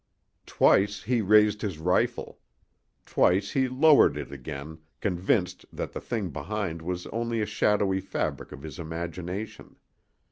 Twice he raised his rifle. Twice he lowered it again, convinced that the thing behind was only a shadowy fabric of his imagination.